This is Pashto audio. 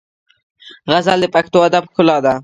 غزل د پښتو ادب ښکلا ده.